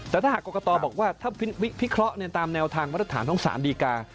แต่ถ้ากอกกะตอบอกว่าถ้าพิเคราะห์ตามแนวทางพัฒนฐานท่องศาลดีกา